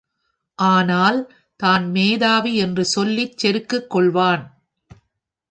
ஆனால், தான் மேதாவி என்று சொல்லிச், செருக்குக்கொள்வான்.